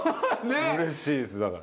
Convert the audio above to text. うれしいですだから。